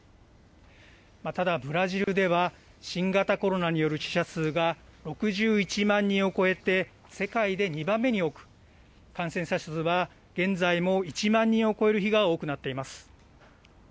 ただ、ブラジルでは新型コロナによる死者数が６１万人を超えて、世界で２番目に多く、感染者数は現在も１万人を超える日が多くなっています。